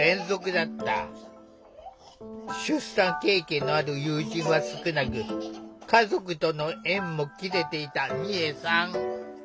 出産経験のある友人は少なく家族との縁も切れていた美恵さん。